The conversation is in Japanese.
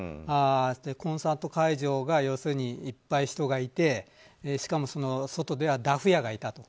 コンサート会場にいっぱい人がいてしかも、外ではダフ屋がいたと。